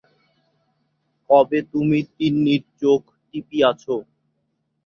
কবে তুমি তিন্নির চোখ টিপিয়াছ।